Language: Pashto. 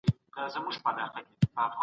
ازاده مطالعه د انسان فکر روښانه کوي.